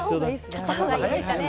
買ったほうがいいですね。